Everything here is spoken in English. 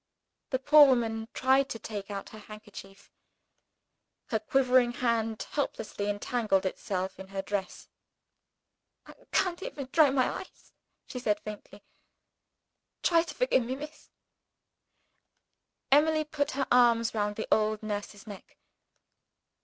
The poor woman tried to take out her handkerchief; her quivering hand helplessly entangled itself in her dress. "I can't even dry my eyes," she said faintly. "Try to forgive me, miss!" Emily put her arms round the old nurse's neck.